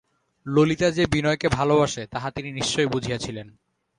ললিতা যে বিনয়কে ভালোবাসে তাহা তিনি নিশ্চয় বুঝিয়াছিলেন।